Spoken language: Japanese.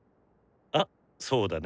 あっそうだね。